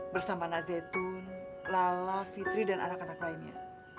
bersama nak zetun lala fitri dan anak anak lainnya